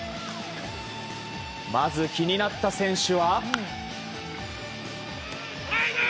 まず気になった選手は。